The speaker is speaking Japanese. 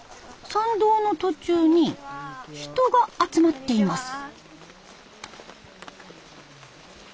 参道の途中に人が集まっています。